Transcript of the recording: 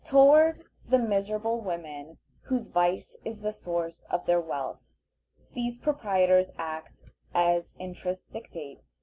Toward the miserable women whose vice is the source of their wealth, these proprietors act as interest dictates.